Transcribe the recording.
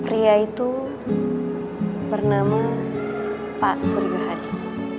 ria itu bernama pak surya hadi